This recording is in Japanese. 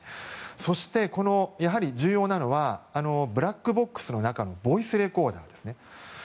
そして、重要なのはブラックボックスの中のボイスレコーダーですね。